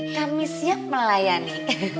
kami siap melayani